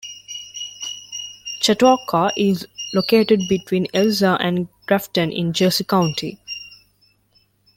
Chautauqua is located between Elsah and Grafton in Jersey County.